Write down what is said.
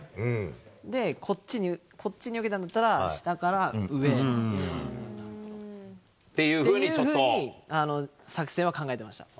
で、こっちによけたんだったら、下から上へ、っていうふうに作戦は考えてました。